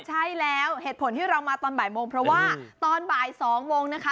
ใช่แล้วเหตุผลที่เรามาตอนบ่ายโมงเพราะว่าตอนบ่าย๒โมงนะคะ